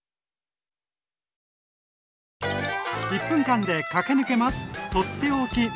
１分間で駆け抜けます！